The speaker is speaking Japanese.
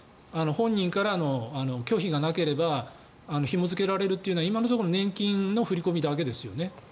本人からの拒否がなければひも付けられるというのは今のところ、法律上年金の振り込みだけですよね。